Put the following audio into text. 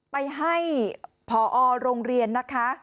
ไปให้พอโรงเรียนนะคะ